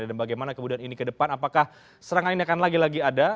dan bagaimana kemudian ini ke depan apakah serangan ini akan lagi lagi ada